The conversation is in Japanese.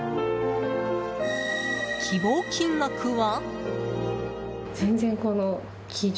希望金額は？